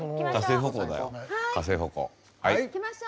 はい行きましょう。